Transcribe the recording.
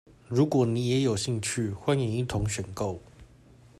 如果你也有興趣，歡迎一同選購。